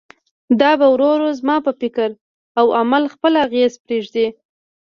دا به ورو ورو زما پر فکر او عمل خپل اغېز پرېږدي.